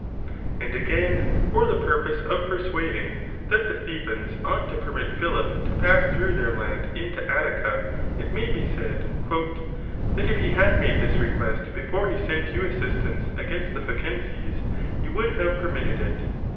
And again, fer the purpose of persuading that the Thebans ought to permit Philip to pass thn>ugh their land into Attica, it may be said, ^ That if he had made this re quest before he sent you assistance against the Phocenscs, you would have permitted him.